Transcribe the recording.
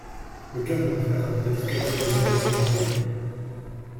Le cœur de mon frère a peut-être quelques raisons d'incliner ailleurs.